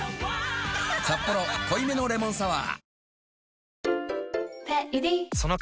「サッポロ濃いめのレモンサワー」